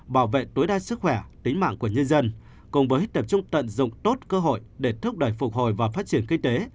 bảo vệ tối đa sức khỏe tính mạng của nhân dân cùng với tập trung tận dụng tốt cơ hội để thúc đẩy phục hồi và phát triển kinh tế